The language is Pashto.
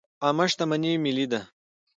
عامه شتمني ملي ده